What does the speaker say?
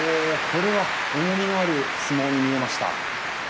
これは重みのある相撲に見えました。